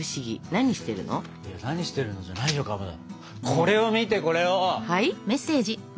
これを見てこれを。はい？